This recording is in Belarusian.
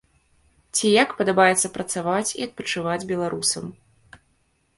Ці як падабаецца працаваць і адпачываць беларусам.